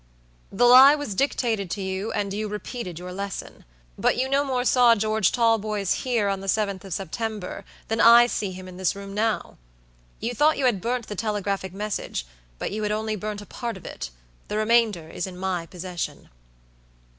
"The lie was dictated to you, and you repeated your lesson. But you no more saw George Talboys here on the 7th of September than I see him in this room now. You thought you had burnt the telegraphic message, but you had only burnt a part of itthe remainder is in my possession."